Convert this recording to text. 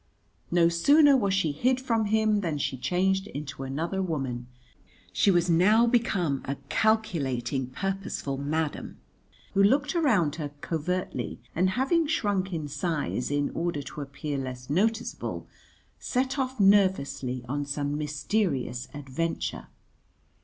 No sooner was she hid from him than she changed into another woman; she was now become a calculating purposeful madam, who looked around her covertly and, having shrunk in size in order to appear less noticeable, set off nervously on some mysterious adventure.